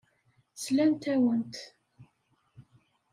Slant-awent.